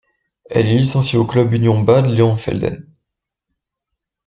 Elle est licenciée au club Union Bad Leonfelden.